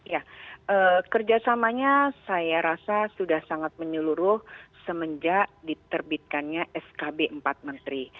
ya kerjasamanya saya rasa sudah sangat menyeluruh semenjak diterbitkannya skb empat menteri